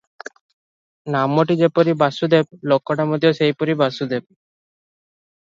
ନାମଟି ଯେପରି ବାସୁଦେବ, ଲୋକଟା ମଧ୍ୟ ସେହିପରି ବାସୁଦେବ ।